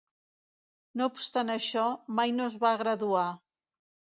No obstant això, mai no es va graduar.